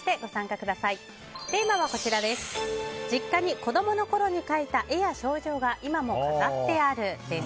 実家に子供のころに描いた絵や賞状が今も飾ってあるです。